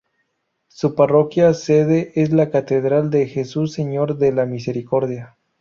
Su parroquia sede es la Catedral de Jesús Señor de la Misericordia.